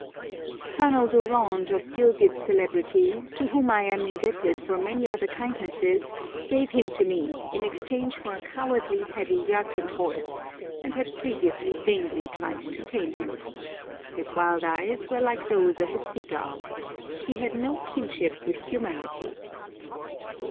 Colonel Durand, of Gilgit celebrity, to whom I am indebted for many other kindnesses, gave him to me in exchange for a cowardly, heavy Yarkand horse, and had previously vainly tried to tame him. His wild eyes were like those of a seagull. He had no kinship with humanity.